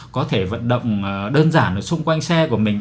có thể vận động đơn giản ở xung quanh xe của mình